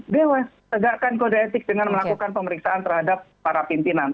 dewas tegakkan kode etik dengan melakukan pemeriksaan terhadap para pimpinan